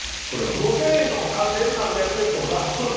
５０００円とか３３００円とか。